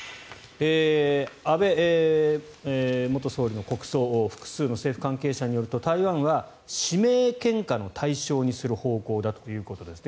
安倍元総理の国葬複数の政府関係者によると台湾は、指名献花の対象にする方向だということです。